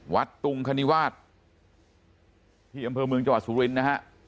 วัดตุงคณิวาสที่อำเภอเมืองจัวร์สูรินทร์